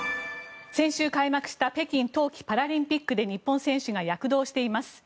先週開幕した北京冬季パラリンピックで日本人選手が躍動しています。